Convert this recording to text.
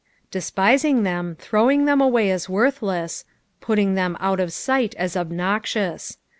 Despising them, throwing them away as worthless, putting them out of sight SB obnoxious.